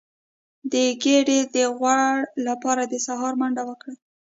د ګیډې د غوړ لپاره د سهار منډه وکړئ